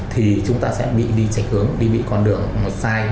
thì chúng ta sẽ bị đi chạy hướng đi bị con đường sai